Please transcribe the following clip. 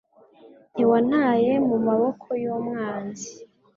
Ntiwantaye mu maboko y’umwanzi